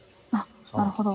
なるほど。